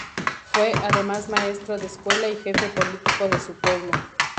Fue, además, maestro de escuela y jefe político de su pueblo.